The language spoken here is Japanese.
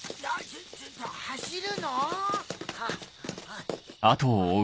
ちょっと走るの。